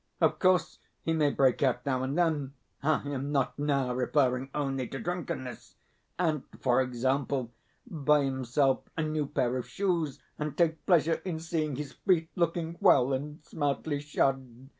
Of course he may break out now and then (I am not now referring only to drunkenness), and (for example) buy himself a new pair of shoes, and take pleasure in seeing his feet looking well and smartly shod.